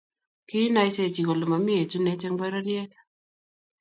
Kiinaisechi kole mami etunet eng pororiet